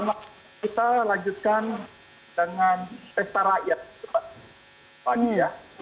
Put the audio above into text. nah kita lanjutkan dengan testa rakyat